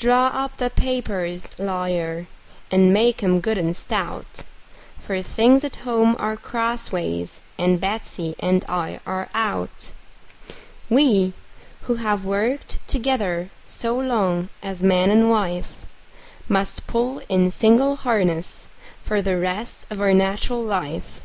Draw up the papers, lawyer, and make 'em good and stout; For things at home are crossways, and Betsey and I are out. We, who have worked together so long as man and wife, Must pull in single harness for the rest of our nat'ral life.